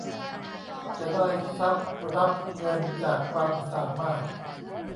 จะได้ทรัพย์รับเงินจากความสามารถ